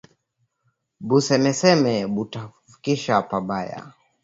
Bu semeseme buta kufikisha pa baya